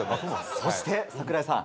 そして櫻井さん